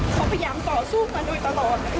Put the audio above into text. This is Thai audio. เขาพยายามต่อสู้มาโดยตลอด